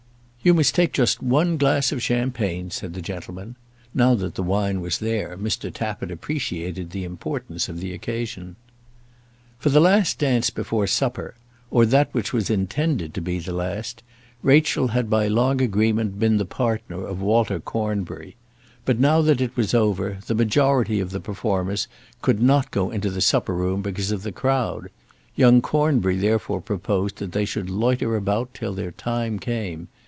"You must take just one glass of champagne," said the gentleman. Now that the wine was there, Mr. Tappitt appreciated the importance of the occasion. For the last dance before supper, or that which was intended to be the last, Rachel had by long agreement been the partner of Walter Cornbury. But now that it was over, the majority of the performers could not go into the supper room because of the crowd. Young Cornbury therefore proposed that they should loiter about till their time came.